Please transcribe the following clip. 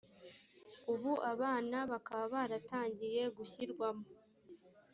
ubu abana bakaba baratangiye gushyirwamo